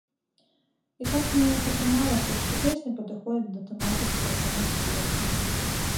І так неяк атрымалася, што песня падыходзіць да тэматыкі пра канец свету.